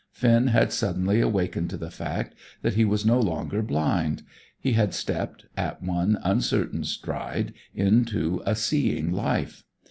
Finn had suddenly awakened to the fact that he was no longer blind; he had stepped, at one uncertain stride, into a seeing life.